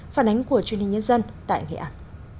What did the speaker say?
phản ánh của truyền hình nhân dân tại nghệ an